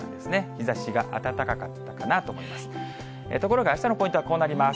日ざしが暖かかったかなと思います。